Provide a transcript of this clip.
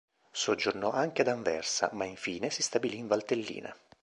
Soggiornò anche ad Anversa, ma infine si stabilì in Valtellina.